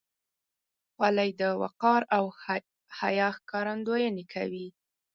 خولۍ د وقار او حیا ښکارندویي کوي.